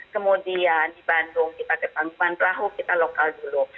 kemudian di bandung kita ke pantrahu kita lokal dulu